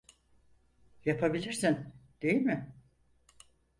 Yapabilirsin, değil mi?